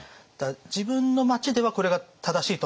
自分の町ではこれが正しいと思うんだけど